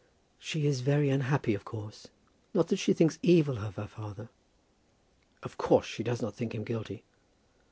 "She is very unhappy, of course. Not that she thinks evil of her father." "Of course she does not think him guilty."